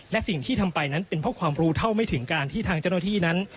และสิ่งที่ทำไปนั้นเป็นเพราะความรู้เท่าไม่ถึงการที่ทางเจ้าหน้าที่นั้น